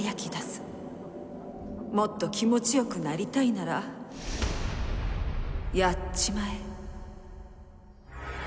もっと気持ちよくなりたいならやっちまえ！